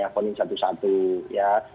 apalagi satu satu ya